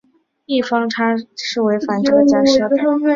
异方差是违反这个假设的。